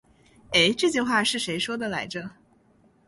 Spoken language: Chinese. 欸，这句话是谁说的来着。